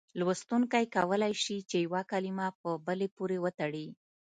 لوستونکی کولای شي چې یوه کلمه په بلې پورې وتړي.